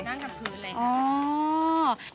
นั่งกับพื้นเลยค่ะ